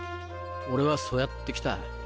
俺はそうやって来た。